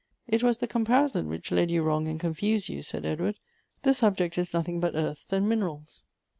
"It was the comparison which led you wrong and confused you," said Edward. "The subjectis nothing but earths and minerals.